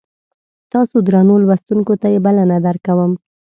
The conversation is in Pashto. تاسو درنو لوستونکو ته یې بلنه درکوم.